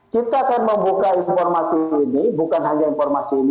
kita saya membuka informasi ini bukan hanya informasi ini